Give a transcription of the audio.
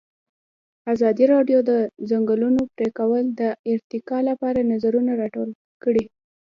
ازادي راډیو د د ځنګلونو پرېکول د ارتقا لپاره نظرونه راټول کړي.